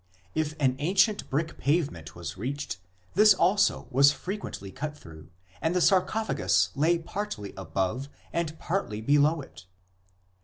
If an ancient brick pavement was reached this also was frequently cut through, and the sarcophagus lay partly above and partly below it.